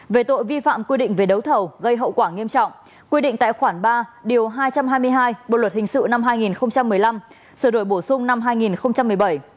về tội vi phạm quy định về đấu thầu gây hậu quả nghiêm trọng quy định tại khoản ba điều hai trăm hai mươi hai bộ luật hình sự năm hai nghìn một mươi năm sửa đổi bổ sung năm hai nghìn một mươi bảy